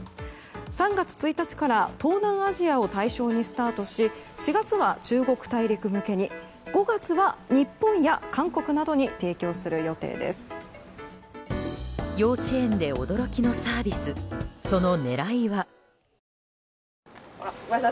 ３月１日から東南アジアを対象にスタートし４月は中国大陸向けに５月は日本や韓国などに提供する予定です。